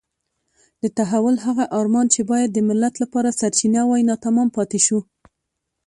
د تحول هغه ارمان چې باید د ملت لپاره سرچینه وای ناتمام پاتې شو.